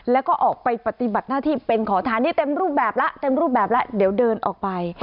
แล้วก็ออกไปปฏิบัติหน้าที่เป็นขอทานนี่เต็มรูปแบบแล้วเต็มรูปแบบแล้วเดี๋ยวเดินออกไป